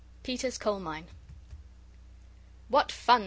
Peter's coal mine. "What fun!"